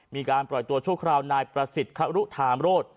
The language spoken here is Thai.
มีการปล่อยตัวชั่วคราวนายประสิทธิ์ครุธามโรธ